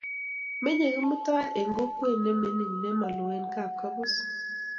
Menye Kimutai eng kokwet ne mining nemaloo ak Kipkabus